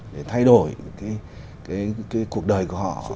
để thay đổi cái cuộc đời của họ